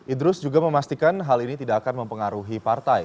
idrus juga memastikan hal ini tidak akan mempengaruhi partai